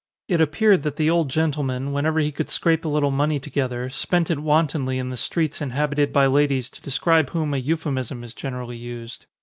It appeared that the old gentleman, when ever he could scrape a little money together, spent it wantonly in the streets inhabited by ladies to describe whom a euphemism is generally used.